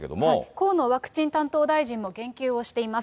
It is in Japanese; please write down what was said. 河野ワクチン担当大臣も言及をしています。